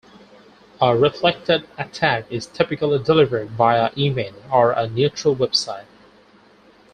A reflected attack is typically delivered via email or a neutral web site.